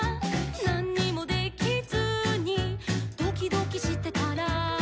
「なんにもできずにドキドキしてたら」